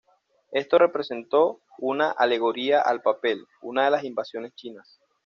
Esto representó una alegoría al papel, una de las invenciones chinas.